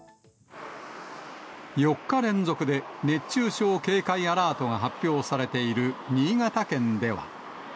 ４日連続で熱中症警戒アラートが発表されている新潟県では。